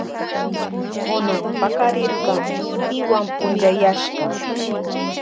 Kunan pakarirka intiwan punchayashka.